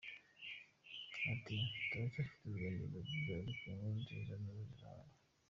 Ati “Turacyafite urugendo rurerure ariko inkuru nziza nazo zirahari.